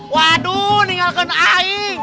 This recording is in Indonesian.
waduh nih gak akan aing